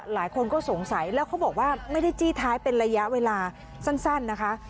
หลายคนก็สงสัยแล้วเขาบอกว่าไม่ได้จี้ท้ายเป็นระยะเวลาสั้นนะคะ